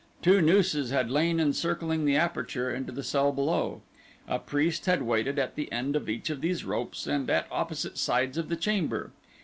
Two nooses had lain encircling the aperture into the cell below. A priest had waited at the end of each of these ropes and at opposite sides of the chamber.